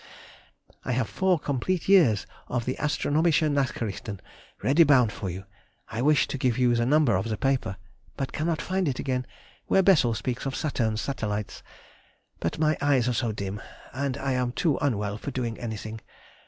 ... I have four complete years of the Astronom. Nachrichten ready bound for you.... I wished to give you the number of the paper (but cannot find it again) where Bessel speaks of Saturn's satellites, but my eyes are so dim, and I am too unwell for doing anything.